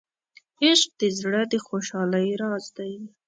عشق د زړه د خوشحالۍ راز دی.